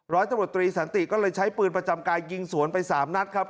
ร้อยตำรวจตรีสันติก็เลยใช้ปืนประจำกายยิงสวนไป๓นัดครับ